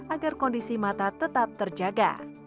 agar kondisi mata tetap terjaga